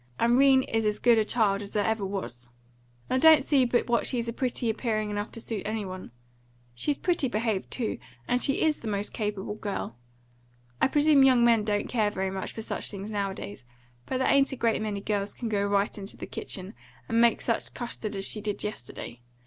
And 'Rene is as good a child as ever there was; and I don't see but what she's pretty appearing enough to suit any one. She's pretty behaved, too; and she IS the most capable girl. I presume young men don't care very much for such things nowadays; but there ain't a great many girls can go right into the kitchen, and make such a custard as she did yesterday.